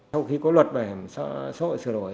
sau khi có luật bảo hiểm xã hội sửa đổi